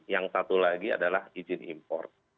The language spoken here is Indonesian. yang satu lagi adalah izin import